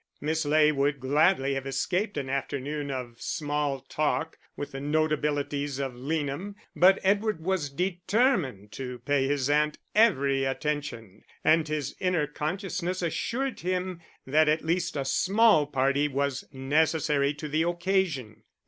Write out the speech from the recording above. Miss Ley would gladly have escaped an afternoon of small talk with the notabilities of Leanham, but Edward was determined to pay his aunt every attention, and his inner consciousness assured him that at least a small party was necessary to the occasion.